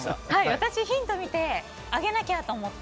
私、ヒント見て上げなきゃと思って。